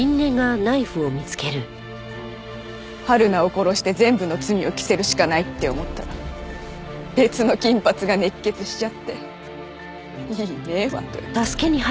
はるなを殺して全部の罪を着せるしかないって思ったら別の金髪が熱血しちゃっていい迷惑。